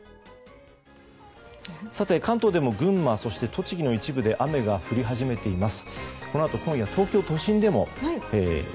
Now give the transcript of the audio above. さて、関東でも群馬、そして栃木の一部で雨が降り始めています。